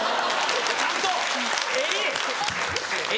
ちゃんと襟！